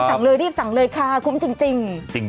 สั่งเลยรีบสั่งเลยค่ะคุ้มจริง